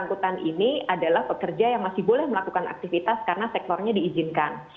angkutan ini adalah pekerja yang masih boleh melakukan aktivitas karena sektornya diizinkan